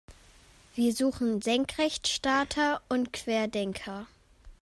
Wir suchen Senkrechtstarter und Querdenker.